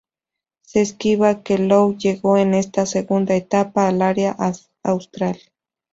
Se estima que Low llegó en esta segunda etapa al área austral.